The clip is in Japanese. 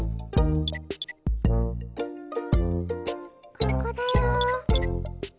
ここだよ。